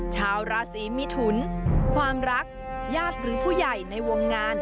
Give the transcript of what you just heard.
ชาวราศีมิถุนความรักญาติหรือผู้ใหญ่ในวงงาน